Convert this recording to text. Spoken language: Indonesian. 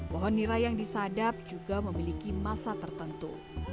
pohon nirai yang disadap juga memiliki masa tertentu